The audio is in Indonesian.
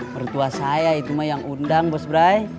mertua saya itu yang undang bos brai